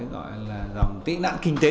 gọi là dòng tị nạn kinh tế